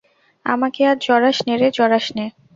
আমাকে আর জড়াস নে রে, জড়াস নে!